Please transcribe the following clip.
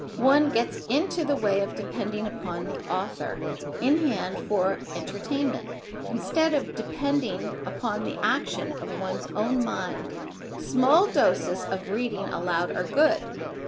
One gets into the way of depending upon the author in hand for entertainment instead of depending upon the action of one's own mind. Small doses of reading aloud are good.